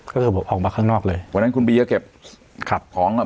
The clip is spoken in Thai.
ก็คือผมออกมาข้างนอกเลยวันนั้นคุณบีก็เก็บขับของอ่ะ